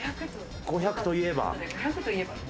５００といえば。